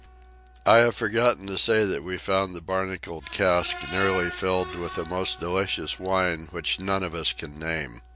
I have forgotten to say that we found the barnacled cask nearly filled with a most delicious wine which none of us can name.